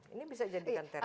ini bisa jadikan terapi